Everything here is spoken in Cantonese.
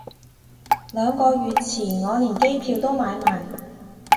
兩個月前我連機票都買埋